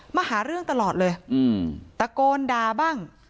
มาหาเรื่องตลอดเลยตะโกนด่าบ้าง